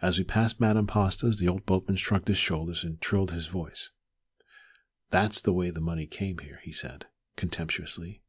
As we passed Madame Pasta's the old boatman shrugged his shoulders and trilled with his voice. "That's the way the money came there," he said, contemptuously.